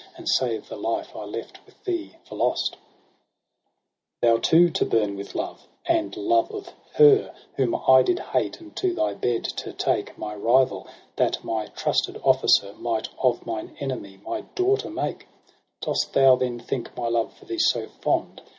And save the life I left with thee for lost ! 20 ' Thou too to burn with love, and love of her Whom I did hate j and to thy bed to take My rival, that my trusted ofEcer Might of mine enemy my daughter make ! Dost thou then think my love for thee so fond.